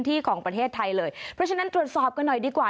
ของประเทศไทยเลยเพราะฉะนั้นตรวจสอบกันหน่อยดีกว่า